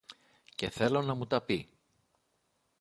Και θέλω να μου τα πει